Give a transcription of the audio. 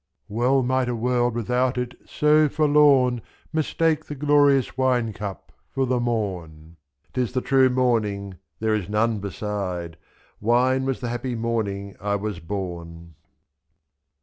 Well might a world without it so forlorn Mistake the glorious wine cup for the morn, 522*. Tis the true morning, there is none beside — Wine was the happy morning I was born.